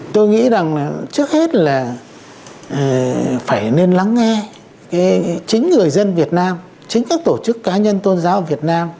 tôi nghĩ rằng trước hết là phải nên lắng nghe chính người dân việt nam chính các tổ chức cá nhân tôn giáo việt nam